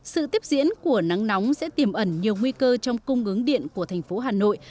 sự tiếp diễn của nắng nóng sẽ tiềm ẩn nhiều nguy cơ trong cung ứng điện của thành phố hà nội